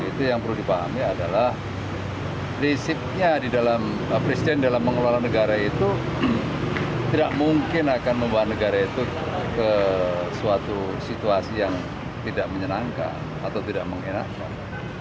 itu yang perlu dipahami adalah prinsipnya di dalam presiden dalam mengelola negara itu tidak mungkin akan membawa negara itu ke suatu situasi yang tidak menyenangkan atau tidak mengenakan